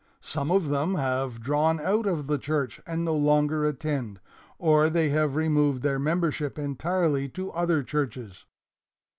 Some of them have drawn out of the church and no longer attend, or they have removed their membership entirely to other churches.